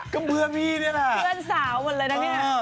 ก็เบื่อพี่เนี่ยแหละ